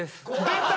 出た！